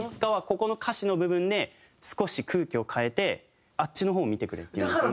ここの歌詞の部分で少し空気を変えて「あっちの方を見てくれ」って言うんですよね。